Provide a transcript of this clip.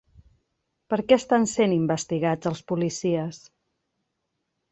Per què estan sent investigats els policies?